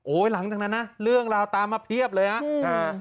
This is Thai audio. หลังจากนั้นนะเรื่องราวตามมาเพียบเลยฮะ